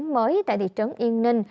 mới tại thị trấn yên ninh